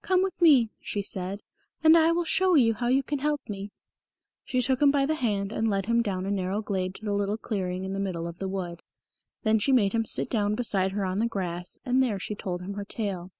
"Come with me," she said, "and I will show you how you can help me." She took him by the hand and led him down a narrow glade to a little clearing in the middle of the wood. Then she made him sit down beside her on the grass, and there she told him her tale.